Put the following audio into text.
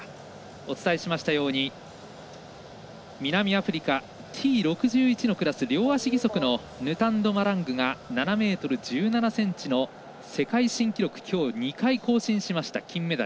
お伝えしましたように南アフリカ、Ｔ６１のクラス両足義足のヌタンド・マラングが７ｍ１７ｃｍの世界新記録きょう２回更新しました。